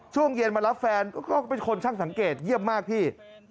ช่วงเย็นมารับแฟนก็เป็นคนช่างสังเกตเยี่ยมมากพี่